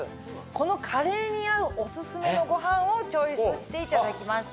このカレーに合うオススメのご飯をチョイスしていただきました。